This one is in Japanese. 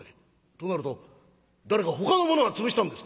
となると誰かほかの者が潰したんですか？」。